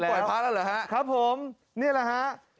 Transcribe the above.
พระแล้วเหรอฮะครับผมนี่แหละฮะ